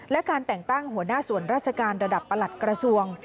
และการแต่งตั้งหัวหน้าส่วนราชการระดับประหลัดกระทรวง